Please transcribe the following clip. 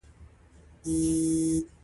د دوی ډله شلو تنو ته رسېږي.